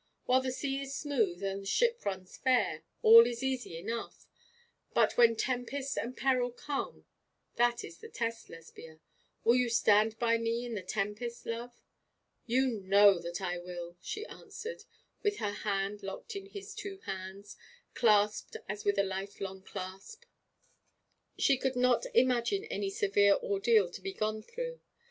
While the sea is smooth and the ship runs fair, all is easy enough; but when tempest and peril come that is the test, Lesbia. Will you stand by me in the tempest, love?' 'You know that I will,' she answered, with her hand locked in his two hands, clasped as with a life long clasp. She could not imagine any severe ordeal to be gone through.